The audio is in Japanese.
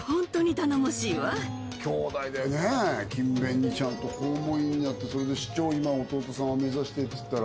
兄弟でねぇ勤勉にちゃんと公務員になってそれで市長今弟さんは目指してっつったら。